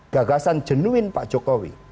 gagasan jenuin pak jokowi